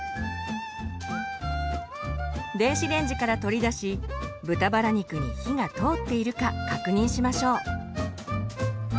電子レンジから取り出し豚バラ肉に火が通っているか確認しましょう。